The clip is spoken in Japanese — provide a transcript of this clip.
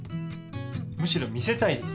むしろ見せたいです！